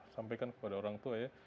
sampaikan kepada orang tua ya